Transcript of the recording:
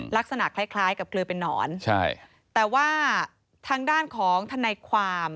ลักษณะคล้ายคล้ายกับเกลือเป็นนอนใช่แต่ว่าทางด้านของทนายความ